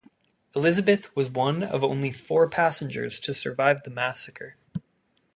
Elizabeth was one of only four passengers to survive the massacre.